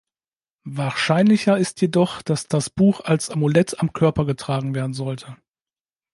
Wahrscheinlicher ist jedoch, dass das Buch als Amulett am Körper getragen werden sollte.